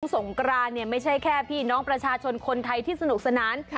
สงกรานเนี่ยไม่ใช่แค่พี่น้องประชาชนคนไทยที่สนุกสนาน